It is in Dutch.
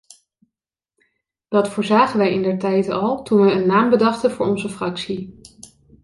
Dat voorzagen wij indertijd al toen wij een naam bedachten voor onze fractie.